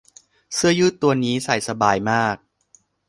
เสื้อยืดตัวนี้ใส่สบายมาก